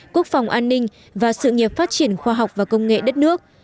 quốc phòng an ninh và sự nghiệp phát triển khoa học và công nghệ đất nước